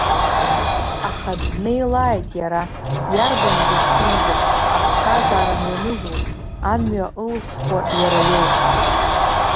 Аха днеилааит иара, иарбан дызхьымӡо, аԥсҭазаара мҩанызоуп, амҩа ылзхуа иара иоуп…